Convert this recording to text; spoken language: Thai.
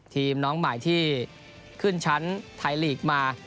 น้องใหม่ที่ขึ้นชั้นไทยลีกมา